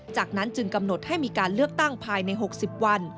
จากนั้นจึงกำหนดให้มีการเลือกตั้งภายใน๖๐วัน